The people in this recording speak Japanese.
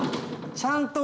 ちゃんと。